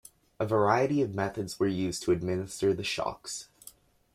A variety of methods were used to administer the shocks.